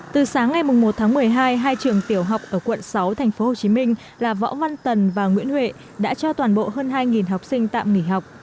từ sáng ngày một tháng một mươi hai hai trường tiểu học ở quận sáu tp hcm là võ văn tần và nguyễn huệ đã cho toàn bộ hơn hai học sinh tạm nghỉ học